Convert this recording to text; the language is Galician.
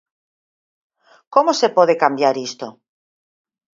Como se pode cambiar isto?